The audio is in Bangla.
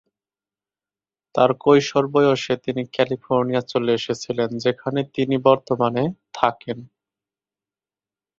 তার কৈশোর বয়সে, তিনি ক্যালিফোর্নিয়ায় চলে এসেছিলেন, যেখানে তিনি বর্তমানে থাকেন।